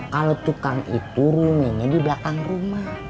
kalau tukang itu rumi ini di belakang rumah